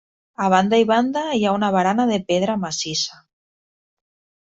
A banda i banda hi ha una barana de pedra massissa.